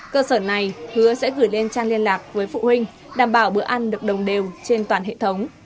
cơ sở này hứa sẽ gửi lên trang liên lạc với phụ huynh đảm bảo bữa ăn được đồng đều trên toàn hệ thống